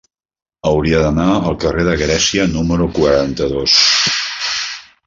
Hauria d'anar al carrer de Grècia número quaranta-dos.